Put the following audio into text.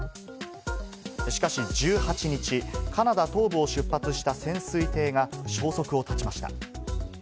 しかし１８日、カナダ東部を出発した潜水艇が消息を絶ちました。